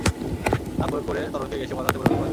তাপ প্রয়োগ করে তরলকে গ্যাসীয় পদার্থে পরিণত করা যায়।